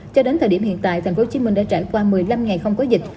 cho đến thời điểm hiện tại thành phố hồ chí minh đã trải qua một mươi năm ngày không có dịch